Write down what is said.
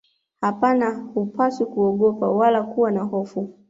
Hapana hupaswi kuogopa wala kuwa na hofu